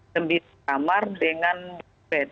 sembilan kamar dengan bed delapan belas